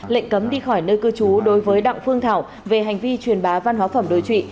lệnh cấm đi khỏi nơi cư trú đối với đặng phương thảo về hành vi truyền bá văn hóa phẩm đối trụy